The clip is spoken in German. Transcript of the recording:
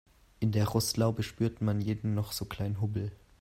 In der Rostlaube spürt man jeden noch so kleinen Hubbel.